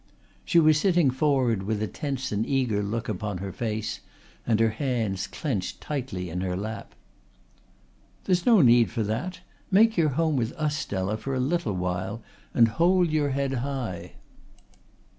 She was sitting forward with a tense and eager look upon her face and her hands clenched tightly in her lap. "There is no need for that. Make your home with us, Stella, for a little while and hold your head high."